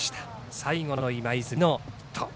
最後の今泉のヒット。